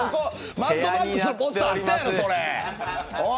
「マッドマックス」のポスターあったやろ！